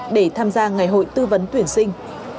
để tham gia ngày hội tư vấn tuyển sinh